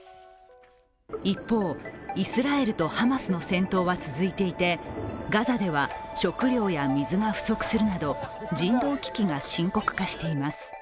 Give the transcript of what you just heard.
一方、イスラエルとハマスの戦闘は続いていて、ガザでは食料や水が不足するなど人道危機が深刻化しています。